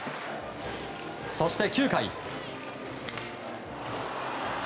そして９回。